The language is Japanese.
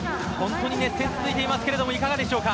熱戦が続いていますがいかがですか。